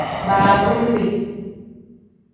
Baavundi.